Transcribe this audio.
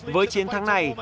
với chiến thắng này